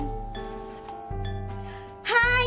はい。